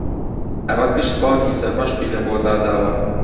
ئەمە گشت باوکی سەرمەشقی لەبۆ داداوە